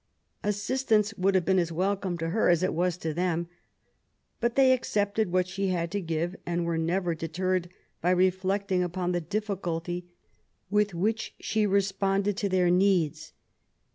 Assistance would have been as welcome to her as it was to them. But they accepted what she had to give, and were never deterred by reflecting upon the difficulty with which she re LITERARY LIFE. 73 sponded to their needs.